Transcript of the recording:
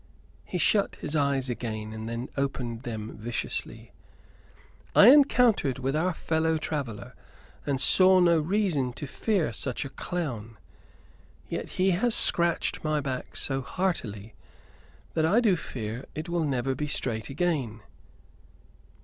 He shut his eyes again; then opened them viciously. "I encountered with our fellow traveller and saw no reason to fear such a clown. Yet he has scratched my back so heartily that I do fear it never will be straight again."